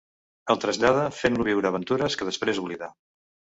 El trasllada fent-lo viure aventures que després oblida.